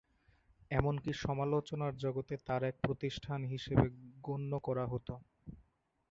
এমনকি সমালোচনার জগতে তার এক প্রতিষ্ঠান হিসাবে গণ্য করা হত।